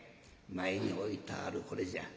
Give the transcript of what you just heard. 前に置いたあるこれじゃ。